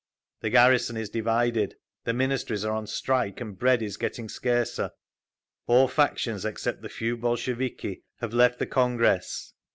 The garrison is divided…. The Ministries are on strike and bread is getting scarcer. All factions except the few Bolsheviki have left the Congress.